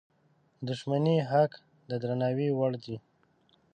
د شتمنۍ حق د درناوي وړ دی.